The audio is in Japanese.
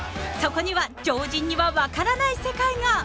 ［そこには常人には分からない世界が］